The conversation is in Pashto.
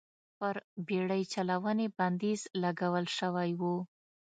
پر بېړۍ چلونې بندیز لګول شوی و.